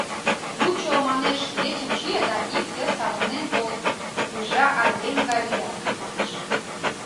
Лучо, манеш, ечым чие да ик йыр савырнен тол, свежа айдеме гай лият, манеш.